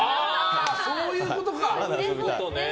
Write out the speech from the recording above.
そういうことか！